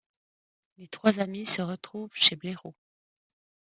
Les trois amis se retrouvent chez Blaireau.